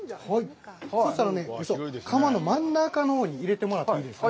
そしたら、窯の真ん中のほうに入れてもらっていいですか。